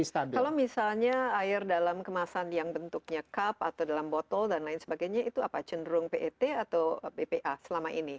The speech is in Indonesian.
kalau misalnya air dalam kemasan yang bentuknya cup atau dalam botol dan lain sebagainya itu apa cenderung pet atau bpa selama ini